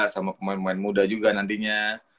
sama pemain pemain muda juga nantinya